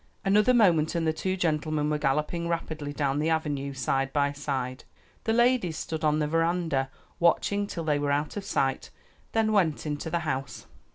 Another moment and the two gentlemen were galloping rapidly down the avenue side by side. The ladies stood on the veranda, watching till they were out of sight, then went into the house.